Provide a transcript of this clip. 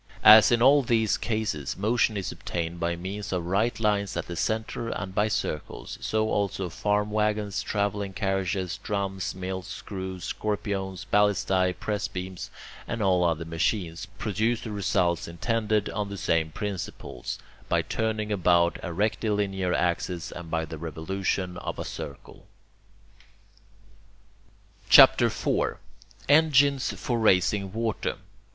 As in all these cases motion is obtained by means of right lines at the centre and by circles, so also farm waggons, travelling carriages, drums, mills, screws, scorpiones, ballistae, pressbeams, and all other machines, produce the results intended, on the same principles, by turning about a rectilinear axis and by the revolution of a circle. CHAPTER IV ENGINES FOR RAISING WATER 1.